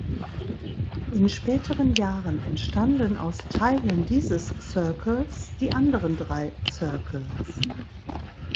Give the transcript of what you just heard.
In späteren Jahren entstanden aus Teilen dieses Circles die anderen drei Circles.